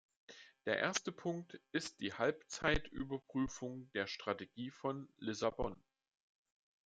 Der erste Punkt ist die Halbzeitüberprüfung der Strategie von Lissabon.